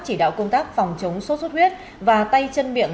chỉ đạo công tác phòng chống sốt xuất huyết và tay chân miệng